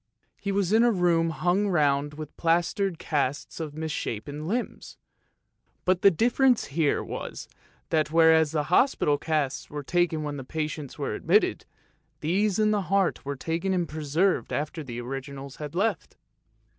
He was in a room hung round with plaster casts of misshapen limbs ! but the difference here was, that whereas in the hospital the casts were taken when the patients were admitted, these in the heart were taken and preserved after the originals had 322 ANDERSEN'S FAIRY TALES left.